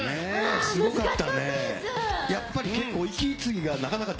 すごかった。